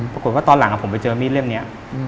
ปรากฏว่าตอนหลังผมไปเจอมีดเล่มนี้